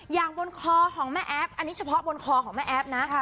บนคอของแม่แอฟอันนี้เฉพาะบนคอของแม่แอฟนะ